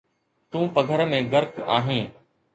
تون پگهر ۾ غرق آهين